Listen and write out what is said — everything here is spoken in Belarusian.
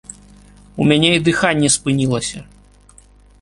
У мяне і дыханне спынілася.